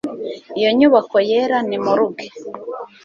Iyo nyubako yera ni morgue